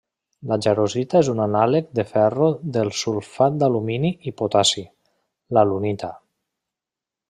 La jarosita és un anàleg de ferro del sulfat d'alumini i potassi, l'alunita.